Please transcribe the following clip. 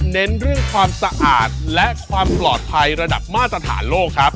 เน้นเรื่องความสะอาดและความปลอดภัยระดับมาตรฐานโลกครับ